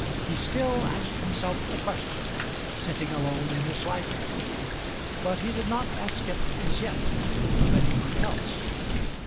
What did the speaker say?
He still asked himself the question, sitting alone in his library; but he did not ask it as yet of any one else.